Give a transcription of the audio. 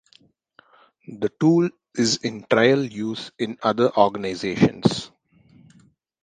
The tool is in trial use in other organisations.